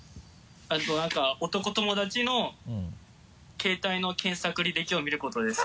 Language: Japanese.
何か男友達の携帯の検索履歴を見ることです。